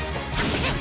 シュッ！